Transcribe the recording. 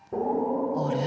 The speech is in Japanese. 「あれ？